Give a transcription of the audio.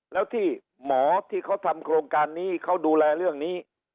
แล้วที่หมอที่เขาทำโครงการนี้เขาดูแลเรื่องนี้